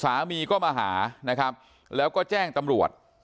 สามีก็มาหานะครับแล้วก็แจ้งตำรวจ